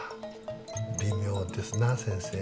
微妙ですな先生。